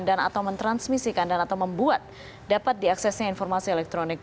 dan atau mentransmisikan dan atau membuat dapat diaksesnya informasi elektronik